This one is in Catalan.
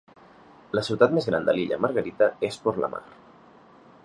La ciutat més gran de l'illa Margarita és Porlamar.